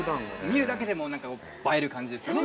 ◆見るだけでも映える感じですよね。